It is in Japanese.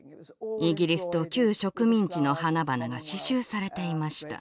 イギリスと旧植民地の花々が刺しゅうされていました。